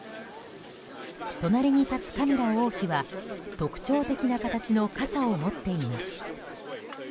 隣に立つカミラ王妃は特徴的な形の傘を持っています。